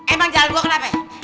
emang jalan gue kenapa